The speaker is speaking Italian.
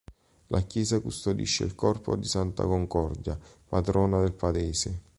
La chiesa custodisce il corpo di Santa Concordia, patrona del paese.